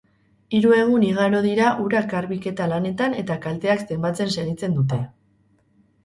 Hiru egun igaro dira urak garbiketa lanetan eta kalteak zenbatzen segitzen dute.